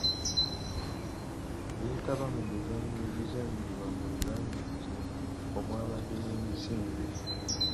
Yeetaba mu mizannyo egizannyirwa mu bibangirizi omwabadde n'emisinde.